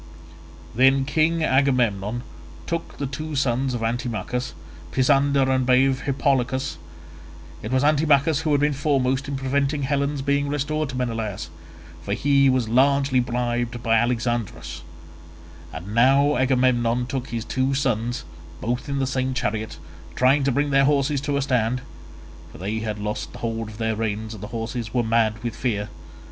Then King Agamemnon took the two sons of Antimachus, Pisander and brave Hippolochus. It was Antimachus who had been foremost in preventing Helen's being restored to Menelaus, for he was largely bribed by Alexandrus; and now Agamemnon took his two sons, both in the same chariot, trying to bring their horses to a stand—for they had lost hold of the reins and the horses were mad with fear.